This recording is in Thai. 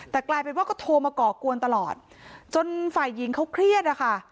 แต่กลายเป็นว่าก็โทรมาก่อกวนตลอดจนฝ่ายหญิงเขาเครียดอะค่ะ